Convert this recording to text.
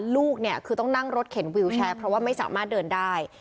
ลูกเนี่ยคือต้องนั่งรถเข็นวิวแชร์เพราะว่าไม่สามารถเดินได้